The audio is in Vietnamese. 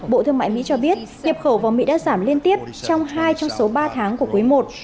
bộ thương mại mỹ cho biết nhập khẩu vào mỹ đã giảm liên tiếp trong hai trong số ba tháng của quý i